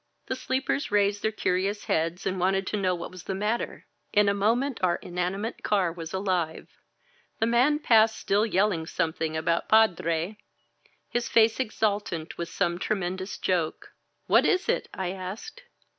The sleepers raised their curious heads and wanted to know what was the matter. In a moment our inanimate car was alive. The man passed, still yelling something about *^padrey his face exultant with some tremendous joke. "What is it?" I asked.